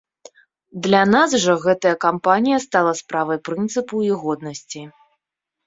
Для нас жа гэтая кампанія стала справай прынцыпу і годнасці.